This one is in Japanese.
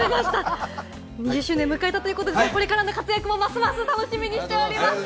２０周年を迎えたということで、これからの活躍もますます楽しみにしております！